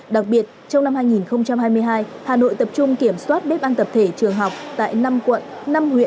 đặc biệt trong năm hai nghìn hai mươi hai hà nội tập trung kiểm soát bếp ăn tập thể trường học tại năm quận năm huyện một mươi trường